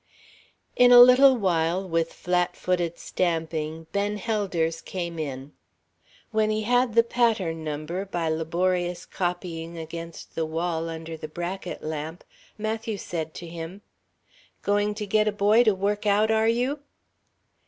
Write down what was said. In a little while, with flat footed stamping, Ben Helders came in. When he had the pattern number, by laborious copying against the wall under the bracket lamp, Matthew said to him: "Going to get a boy to work out, are you?"